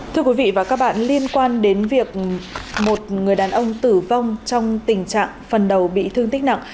thưa quý vị và các bạn liên quan đến việc một người đàn ông tử vong trong tình trạng phần đầu bị thương tích nặng